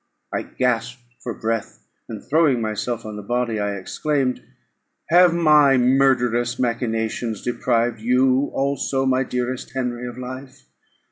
I gasped for breath; and, throwing myself on the body, I exclaimed, "Have my murderous machinations deprived you also, my dearest Henry, of life?